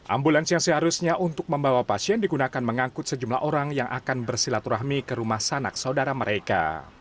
ambulans yang seharusnya untuk membawa pasien digunakan mengangkut sejumlah orang yang akan bersilaturahmi ke rumah sanak saudara mereka